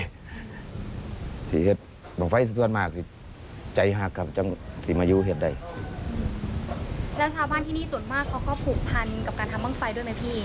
แล้วชาวบ้านที่นี่ส่วนมากเขาก็ผูกพันกับการทำบ้างไฟด้วยไหมพี่